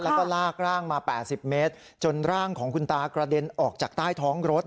แล้วก็ลากร่างมา๘๐เมตรจนร่างของคุณตากระเด็นออกจากใต้ท้องรถ